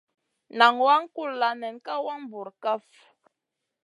Nan waŋ kulla nen ka wang bura kaf.